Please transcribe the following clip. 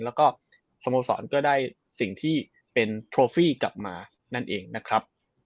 แล้วก็สโมสรก็ได้สิ่งที่เป็นโทฟี่กลับมานั่นเองนะครับ